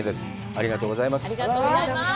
ありがとうございます。